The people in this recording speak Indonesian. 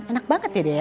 enak banget ya dia